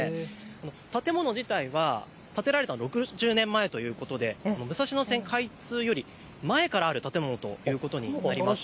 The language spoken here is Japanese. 建物自体は建てられた６０年前ということで武蔵野線開通より前からある建物ということなんです。